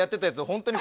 本当に。